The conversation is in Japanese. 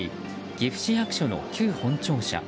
岐阜市役所の旧本庁舎。